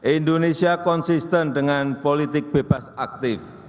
indonesia konsisten dengan politik bebas aktif